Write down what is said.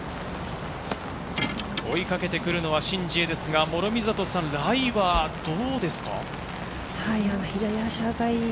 追いかけてくるのはシン・ジエですが、諸見里さん、ライはどうですか？